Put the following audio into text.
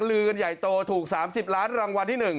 ลือกันใหญ่โตถูก๓๐ล้านรางวัลที่๑